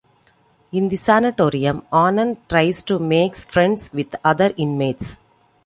In the sanatorium, Anand tries to makes friends with other inmates.